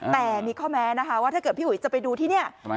แต่มีข้อแม้นะคะว่าถ้าเกิดพี่อุ๋ยจะไปดูที่นี่